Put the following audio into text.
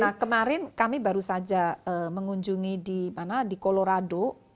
nah kemarin kami baru saja mengunjungi di mana di colorado